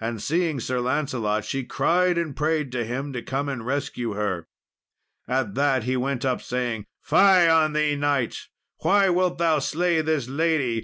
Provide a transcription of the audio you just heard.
And seeing Sir Lancelot, she cried and prayed to him to come and rescue her. At that he went up, saying, "Fie on thee, knight! why wilt thou slay this lady?